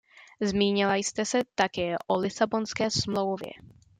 Zmínila jste se také o Lisabonské smlouvě.